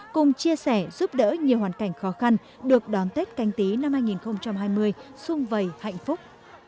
cùng chia sẻ giúp đỡ nhiều hoàn cảnh khó khăn được đón tết canh tí năm hai nghìn hai mươi sung vầy hạnh phúc